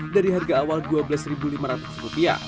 dari harga awal rp dua belas lima ratus